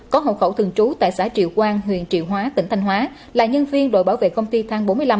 có hậu khẩu thường trú tại xã triệu quang huyện triệu hóa tỉnh thanh hóa là nhân viên đội bảo vệ công ty thang bốn mươi năm